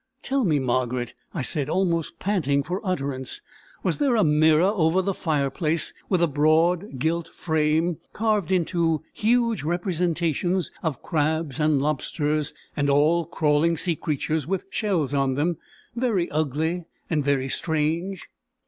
"Tell me, Margaret," I said, almost panting for utterance, "was there a mirror over the fireplace, with a broad gilt frame, carved into huge representations of crabs and lobsters, and all crawling sea creatures with shells on them very ugly, and very strange?"